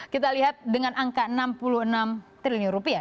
kita lihat dengan angka enam puluh enam triliun rupiah